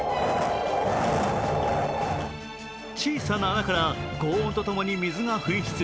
小さな穴からごう音とともに水が噴出。